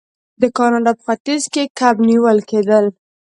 د کاناډا په ختیځ کې کب نیول کیدل.